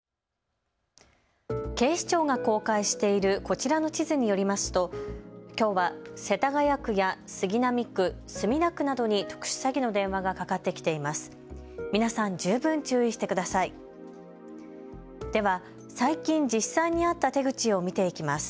警視庁が公開しているこちらの地図によりますときょうは世田谷区や杉並区、墨田区などに特殊詐欺の電話がかかってきています。